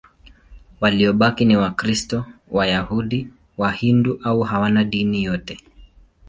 Waliobaki ni Wakristo, Wayahudi, Wahindu au hawana dini yote.